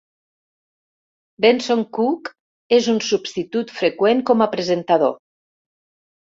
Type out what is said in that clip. Benson Cook és un substitut freqüent com a presentador.